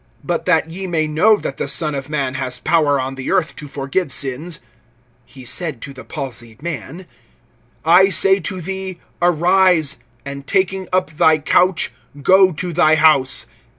(24)But that ye may know that the Son of man has power on the earth to forgive sins, (he said to the palsied man,) I say to thee, arise, and taking up thy couch go to thy house.